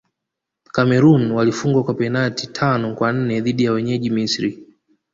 cameroon walifungwa kwa penati tano kwa nne dhidi ya wenyeji misri